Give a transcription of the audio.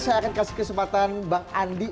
saya akan kasih kesempatan bang andi